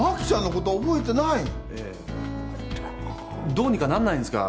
どうにかなんないんですか？